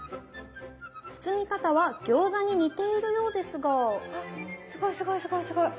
包み方は餃子に似ているようですがすごいすごいすごいすごい。